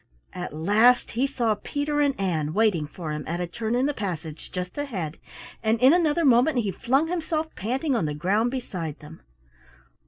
At last he saw Peter and Ann waiting for him at a turn in the passage just ahead, and in another moment he flung himself panting on the ground beside them.